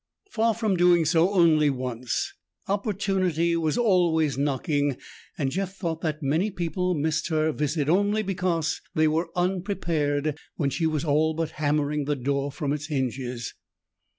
Far from doing so only once, Opportunity was always knocking, and Jeff thought that many people missed her visit only because they were unprepared when she was all but hammering the door from its hinges.